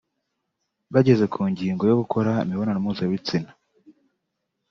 Bageze ku ngingo yo gukora imibonano mpuzabitsina